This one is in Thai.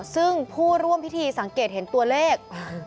ซึ่งผู้ร่วมพิธีสังเกตเห็นตัวเลข